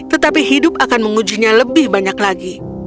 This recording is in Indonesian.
tetapi hidup akan mengujinya lebih banyak lagi